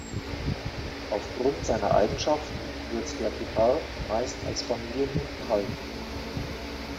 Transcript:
Aufgrund seiner Eigenschaften wird der Picard meist als Familienhund gehalten.